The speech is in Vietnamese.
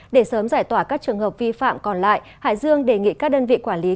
để sớm giải tỏa các trường hợp vi phạm còn lại hải dương đề nghị các đơn vị quản lý